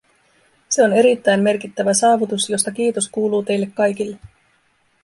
Se on erittäin merkittävä saavutus, josta kiitos kuuluu teille kaikille.